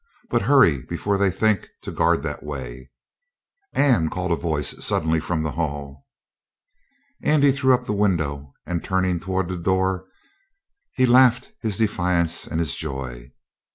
But hurry before they think to guard that way!" "Anne!" called a voice suddenly from the hall. Andy threw up the window, and, turning toward the door, he laughed his defiance and his joy.